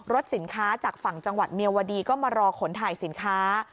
สินค้าจากฝั่งจังหวัดเมียวดีก็มารอขนถ่ายสินค้า